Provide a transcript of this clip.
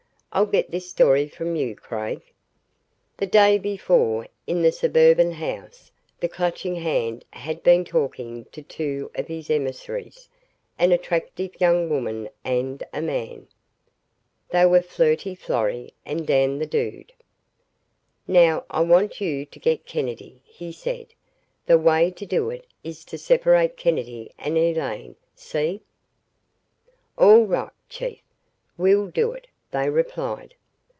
I'll get this story from you, Craig." ........ The day before, in the suburban house, the Clutching Hand had been talking to two of his emissaries, an attractive young woman and a man. They were Flirty Florrie and Dan the Dude. "Now, I want you to get Kennedy," he said. "The way to do it is to separate Kennedy and Elaine see?" "All right, Chief, we'll do it," they replied.